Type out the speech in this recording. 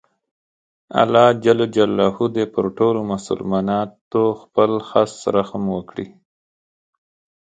الله ﷻ دې پر ټولو مسلماناتو خپل خاص رحم وکړي